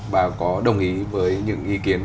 bà có đồng ý với những ý kiến